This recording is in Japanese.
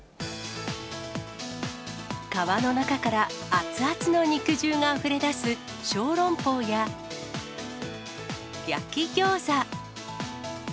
皮の中から熱々の肉汁があふれ出す、小籠包や、焼き餃子。